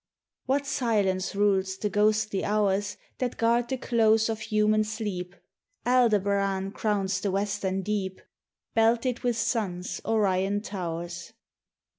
What silence rules the ghostly hours That guard the close of human sleep! Aldebaran crowns the western deep; Belted with suns Orion tow'rs, THE TESTIMONY OF THE SUNS.